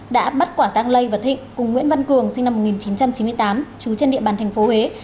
đã bắt quả tang lê và thịnh cùng nguyễn văn cường sinh năm một nghìn chín trăm chín mươi tám chú trên địa bàn tp huế